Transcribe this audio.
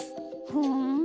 ふん。